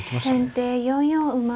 先手４四馬。